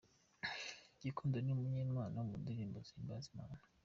Gikundiro ni umunyempano mu ndirimbo zihimbaza Imana.